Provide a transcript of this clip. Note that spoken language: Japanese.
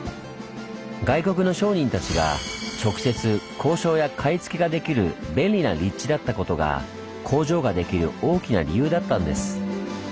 外国の商人たちが直接交渉や買い付けができる便利な立地だったことが工場ができる大きな理由だったんです。